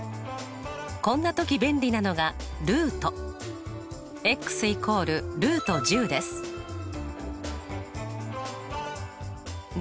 こんな時便利なのがルート。＝です。